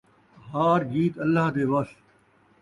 ہار جیت اللہ دے وس